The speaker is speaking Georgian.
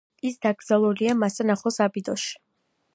ის დაკრძალულია მასთან ახლოს აბიდოსში.